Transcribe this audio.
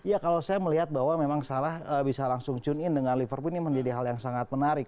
ya kalau saya melihat bahwa memang salah bisa langsung tune in dengan liverpool ini menjadi hal yang sangat menarik